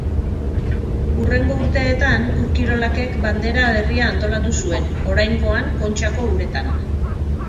Hurrengo urteetan Ur-Kirolakek bandera berria antolatu zuen, oraingoan Kontxako uretan.